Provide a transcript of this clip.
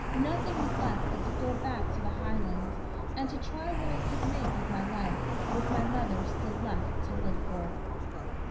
Nothing was left but to go back to the Highlands, and to try what I could make of my life, with my mother still left to live for.